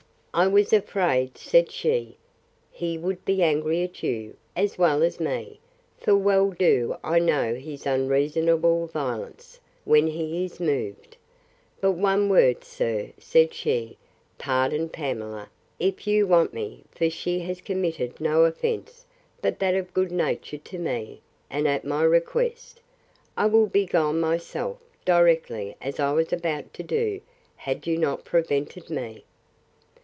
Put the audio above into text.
I was afraid, said she, he would be angry at you, as well as me; for well do I know his unreasonable violence, when he is moved. But one word, sir, said she; Pardon Pamela, if you won't me; for she has committed no offence, but that of good nature to me, and at my request. I will be gone myself, directly as I was about to do, had you not prevented me.